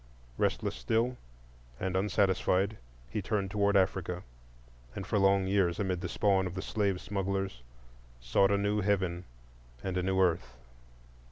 Restless still, and unsatisfied, he turned toward Africa, and for long years, amid the spawn of the slave smugglers, sought a new heaven and a new earth.